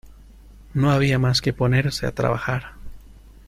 No había más que ponerse a trabajar.